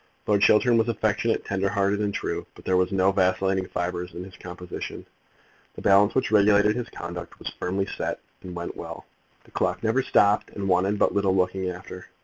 Lord Chiltern was affectionate, tender hearted, and true; but there were no vacillating fibres in his composition. The balance which regulated his conduct was firmly set, and went well. The clock never stopped, and wanted but little looking after.